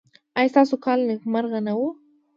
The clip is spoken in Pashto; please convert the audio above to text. ایا ستاسو کال نیکمرغه نه و؟